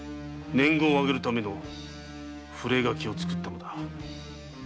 年貢を上げるための触れ書きを作ったのだ。